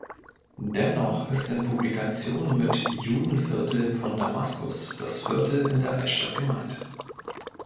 Dennoch ist in Publikationen mit „Judenviertel von Damaskus“ das Viertel in der Altstadt gemeint.